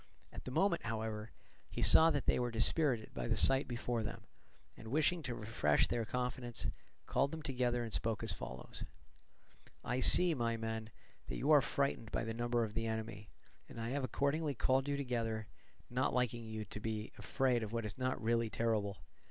At the moment, however, he saw that they were dispirited by the sight before them, and wishing to refresh their confidence, called them together and spoke as follows: "I see, my men, that you are frightened by the number of the enemy, and I have accordingly called you together, not liking you to be afraid of what is not really terrible.